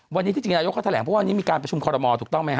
วันนี้ที่จริงนายกเขาแถลงเพราะวันนี้มีการประชุมคอรมอลถูกต้องไหมฮ